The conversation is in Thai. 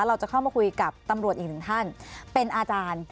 เราจะเข้ามาคุยกับตำรวจอีกหนึ่งท่านเป็นอาจารย์